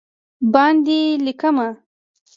باندې لېکمه